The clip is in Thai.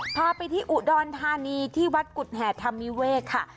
พาไปที่อุดรธานีที่วัดกุฎแห่ธรรมวิเวกค่ะ